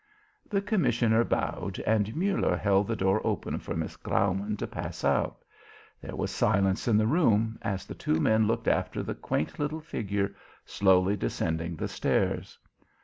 The commissioner bowed and Muller held the door open for Miss Graumann to pass out. There was silence in the room, as the two men looked after the quaint little figure slowly descending the stairs.